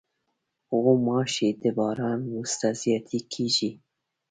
غوماشې د باران وروسته زیاتې کېږي.